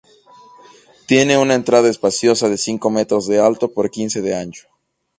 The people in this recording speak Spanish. Tiene una entrada espaciosa, de cinco metros de alto por quince de ancho.